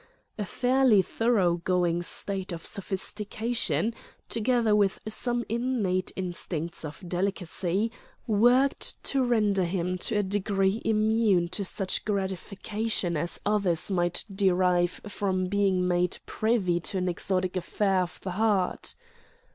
A fairly thoroughgoing state of sophistication, together with some innate instincts of delicacy, worked to render him to a degree immune to such gratification as others might derive from being made privy to an exotic affair of the heart.